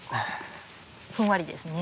ふんわりですね。